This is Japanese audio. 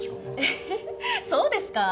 えぇそうですか？